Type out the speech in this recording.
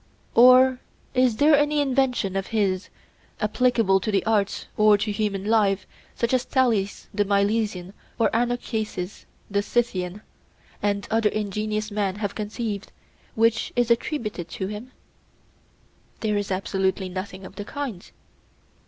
Or is there any invention of his, applicable to the arts or to human life, such as Thales the Milesian or Anacharsis the Scythian, and other ingenious men have conceived, which is attributed to him? There is absolutely nothing of the kind.